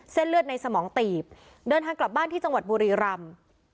เลือดในสมองตีบเดินทางกลับบ้านที่จังหวัดบุรีรำ